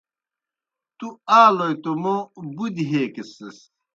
تْو آلوئے توْ موں بُدیْ ہیکسِس۔